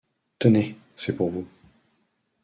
Tenez ! c’est pour vous.